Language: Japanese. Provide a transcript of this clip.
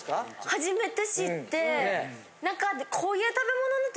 初めて知って何か。